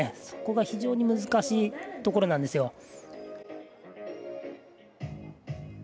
そこが非常に難しいところなんですよ。